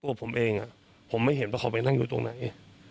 ผมเองผมไม่เห็นว่าเขาไปนั่งอยู่ตรงไหน